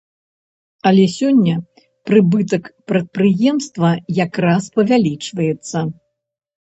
Але сёння, прыбытак прадпрыемства якраз павялічваецца.